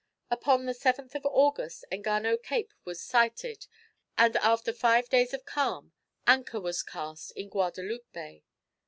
Upon the 7th of August Engano Cape was sighted, and after five days of calm anchor was cast in Guadaloupe Bay.